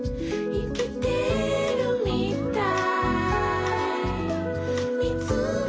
「いきてるみたい」